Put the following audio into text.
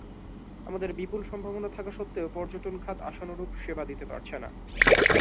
আমাদের বিপুল সম্ভাবনা থাকা সত্ত্বেও পর্যটন খাত আশানুরূপ সেবা দিতে পারছে না।